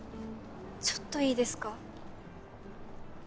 ちょっといいですか？